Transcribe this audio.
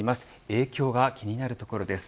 影響が気になるところです。